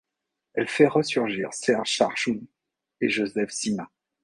Elle fait resurgir Serge Charchoune et Joseph Sima.